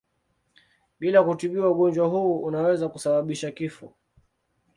Bila kutibiwa ugonjwa huu unaweza kusababisha kifo.